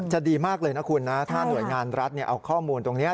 ดีมากเลยนะคุณนะถ้าหน่วยงานรัฐเอาข้อมูลตรงนี้